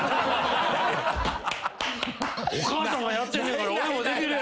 お母さんはやってんねやから俺もできるやろ。